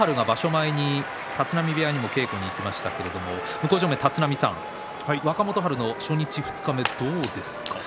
前、立浪部屋にも稽古に行きましたけれども向正面の立浪さん若元春の初日二日目はどうですか。